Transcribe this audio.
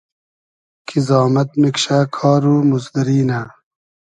کی زامئد میکشۂ ، کار و موزدوری نۂ